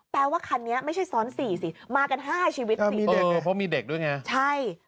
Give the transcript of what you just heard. แปลว่าคันนี้ไม่ใช่ซ้อน๔มากัน๕ชีวิต๔เพราะมีเด็กด้วยไง